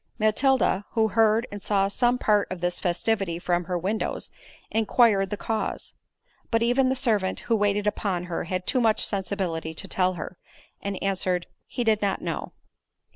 Matilda, who heard and saw some part of this festivity from her windows, inquired the cause; but even the servant who waited upon her had too much sensibility to tell her, and answered, "He did not know."